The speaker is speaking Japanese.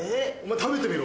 食べてみろよ。